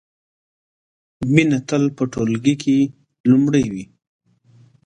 مینه تل په ټولګي کې لومړۍ وه